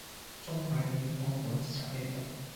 中华人民共和国机场列表